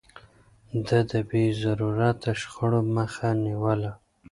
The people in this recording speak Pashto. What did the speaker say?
ده د بې ضرورته شخړو مخه نيوله.